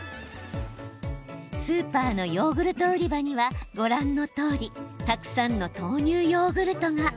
スーパーのヨーグルト売り場にはご覧のとおり、たくさんの豆乳ヨーグルトが。